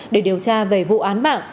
để điều tra về vụ án mạng